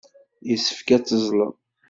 Yessefk ad teẓẓlem.